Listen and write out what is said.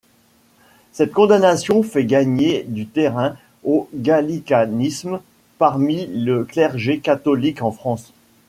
Cette condamnation fait gagner du terrain au gallicanisme parmi le clergé catholique en France.